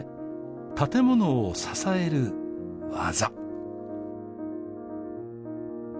建物を支える技